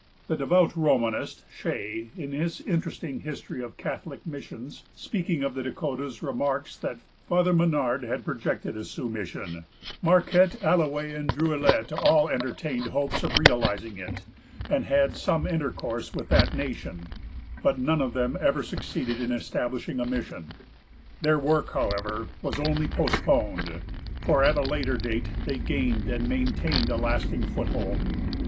The devout Romanist, Shea, in his interesting history of Catholic missions, speaking of the Dakotas, remarks that "Father Menard had projected a Sioux mission, Marquette, Allouez, Druillettes, all entertained hopes of realizing it, and had some intercourse with that nation, but none of them ever succeeded in establishing a mission." Their work, however, was only postponed, for at a later date they gained and maintained a lasting foothold.